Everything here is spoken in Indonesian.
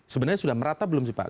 sebenarnya sudah merata belum sih pak